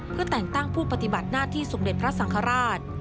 เพื่อแต่งตั้งผู้ปฏิบัติหน้าที่สมเด็จพระสังฆราช